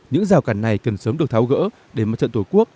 những rào cản này cần sớm được tháo gỡ để mặt trận tổ quốc